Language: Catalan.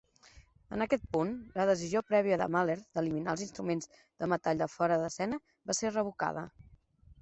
En aquest punt, la decisió prèvia de Mahler d'eliminar els instruments de metall de fora d'escena va ser revocada.